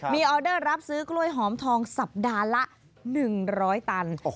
มีออเดอร์รับซื้อกล้วยหอมทองสัปดาห์ละ๑๐๐ตัน